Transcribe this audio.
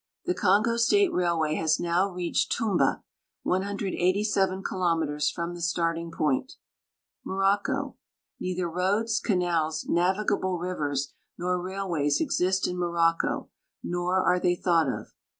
The Kongo State railway has now reached Tumba, 187 kilometers from the starting point. Morocco. Neither roads, canals, navigable rivers, nor railways exist in jNlorocco, nor are they thought of.